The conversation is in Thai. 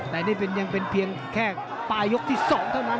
แต่นี่ยังเป็นเพียงแค่ปลายยกที่๒เท่านั้น